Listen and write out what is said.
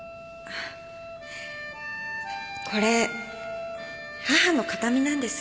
これ母の形見なんです